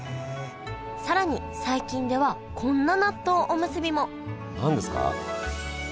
更に最近ではこんな納豆おむすびも何ですか？